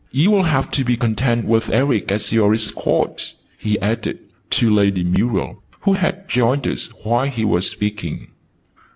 "You'll have to be content with Eric as your escort," he added, to Lady Muriel, who had joined us while he was speaking.